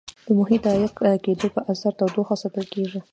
د محیط د عایق کېدو په اثر تودوخه ساتل کیږي.